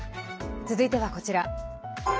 続いてはこちら。